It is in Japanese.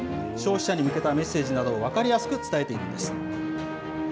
消費者に向けたメッセージなどを分かりやすく伝えています。